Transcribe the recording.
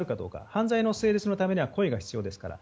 犯罪の成立のためには故意が必要ですから。